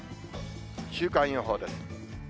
週間予報です。